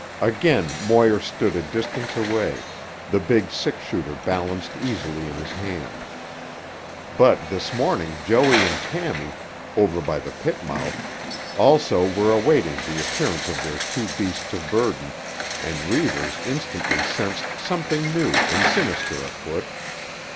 Again Moir stood a distance away, the big six shooter balanced easily in his hand. But this morning Joey and Tammy, over by the pit mouth, also were awaiting the appearance of their two beasts of burden, and Reivers instantly sensed something new and sinister afoot.